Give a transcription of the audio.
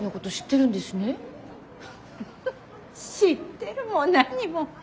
フフッ知ってるも何も。